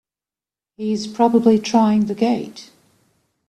He's probably trying the gate!